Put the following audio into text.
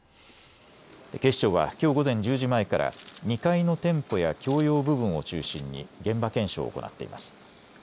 警視庁はきょう午前１０時前から２階の店舗や共用部分を中心に現場検証を行っています。